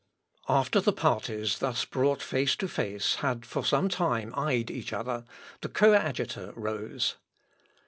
After the parties thus brought face to face had for some time eyed each other, the coadjutor rose.